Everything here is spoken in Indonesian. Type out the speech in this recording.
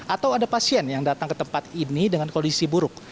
atau ada pasien yang datang ke tempat ini dengan kondisi buruk